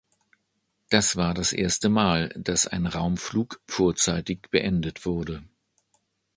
Das war das erste Mal, dass ein Raumflug vorzeitig beendet wurde.